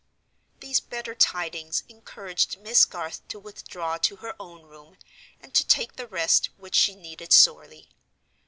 These better tidings encouraged Miss Garth to withdraw to her own room, and to take the rest which she needed sorely.